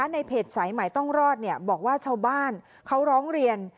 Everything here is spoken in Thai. ในเพจสายใหม่ต้องรอดบอกว่าชาวบ้านเขาร้องเรียน